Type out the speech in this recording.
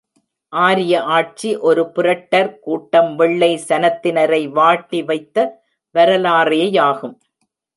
ஆரிய ஆட்சி ஒரு புரட்டர் கூட்டம் வெள்ளை சனத்தினரை வாட்டி வைத்த வரலாறேயாகும்.